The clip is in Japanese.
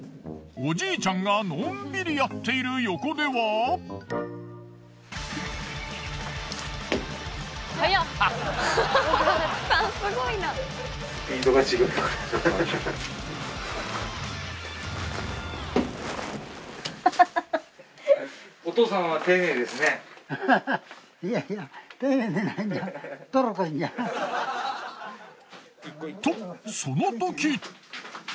おじいちゃんがのんびりやっている横では。とその時。